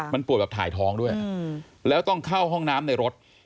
มันป่วยแบบถ่ายท้องด้วยแล้วต้องเข้าห้องน้ำในรถ